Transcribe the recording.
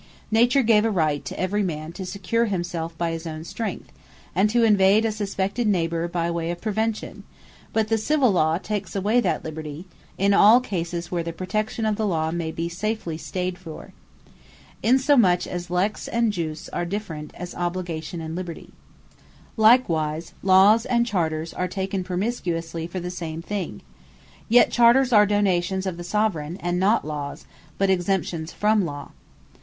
Nature gave a Right to every man to secure himselfe by his own strength, and to invade a suspected neighbour, by way of prevention; but the Civill Law takes away that Liberty, in all cases where the protection of the Lawe may be safely stayd for. Insomuch as Lex and Jus, are as different as Obligation and Liberty. And Between A Law And A Charter Likewise Lawes and Charters are taken promiscuously for the same thing. Yet Charters are Donations of the Soveraign; and not Lawes, but exemptions from Law.